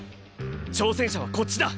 挑戦者はこっちだ。